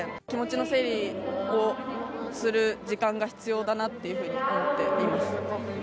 気持ちの整理をする時間が必要だなっていうふうに思っています。